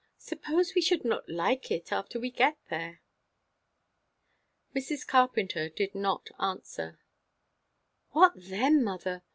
Suppose we should not like it after we get there?" Mrs. Carpenter did not answer. "What then, mother?